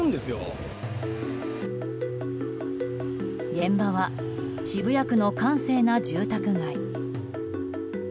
現場は渋谷区の閑静な住宅街。